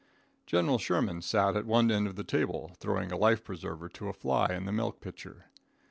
General Sherman sat at one end of the table, throwing a life preserver to a fly in the milk pitcher.